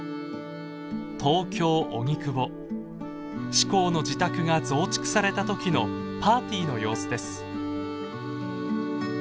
志功の自宅が増築された時のパーティーの様子です。